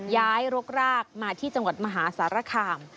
รกรากมาที่จังหวัดมหาสารคาม